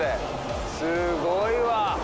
すごいわ。